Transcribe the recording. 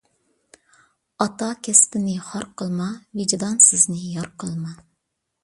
ئاتا كەسپىنى خار قىلما، ۋىجدانسىزنى يار قىلما.